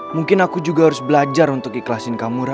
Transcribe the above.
mungkin aku juga harus belajar untuk ikhlasin kamu ra